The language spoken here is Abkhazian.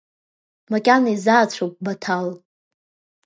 Макьана изаацәоуп, Баҭал.